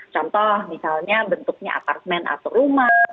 contoh misalnya bentuknya apartemen atau rumah